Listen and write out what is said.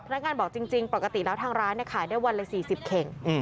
งานบอกจริงปกติแล้วทางร้านขายได้วันละ๔๐เข่ง